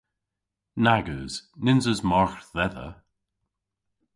Nag eus. Nyns eus margh dhedha.